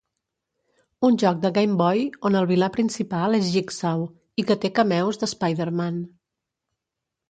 Un joc de Game Boy on el vilà principal és Jigsaw i que té cameos de Spider-man.